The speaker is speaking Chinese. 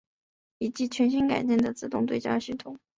以及全新改进的自动对焦系统。